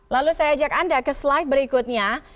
lalu saya ajak anda ke slide berikutnya